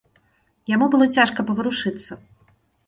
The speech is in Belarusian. Яму было цяжка паварушыцца.